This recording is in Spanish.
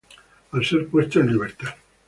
Al ser puesto en libertad.